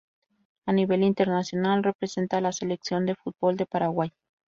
A nivel internacional representa a la Selección de fútbol de Paraguay.